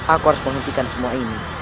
aku harus menghentikan semua ini